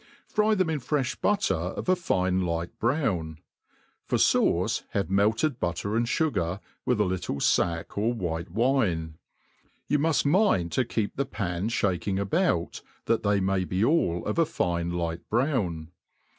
Fry them in fre(h butter of a fine light browns for fauce have melted butter and fugar, with a little fack or white wine. You muft mind to keep the pan ihaking about, that they may be all of a fine light brown.